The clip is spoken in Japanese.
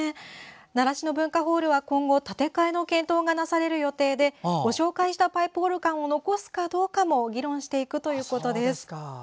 習志野文化ホールは今後建て替えの検討がなされる予定でご紹介したパイプオルガンを残すかどうかも議論していくということです。